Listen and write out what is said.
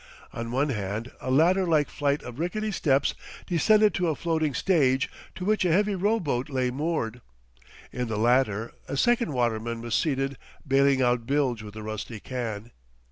On one hand a ladder like flight of rickety steps descended to a floating stage to which a heavy rowboat lay moored. In the latter a second waterman was seated bailing out bilge with a rusty can.